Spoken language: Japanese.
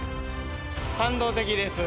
感動的です。